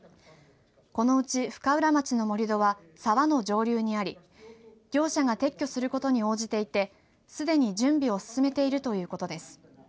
このうち深浦町の盛り土は沢の上流にあり業者が撤去することに応じていてすでに準備を進めているということです。